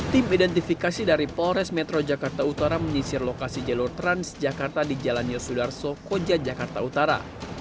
tim identifikasi dari polres metro jakarta utara menyisir lokasi jalur transjakarta di jalan yosudarso koja jakarta utara